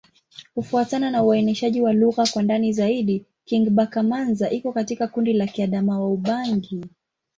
Kufuatana na uainishaji wa lugha kwa ndani zaidi, Kingbaka-Manza iko katika kundi la Kiadamawa-Ubangi.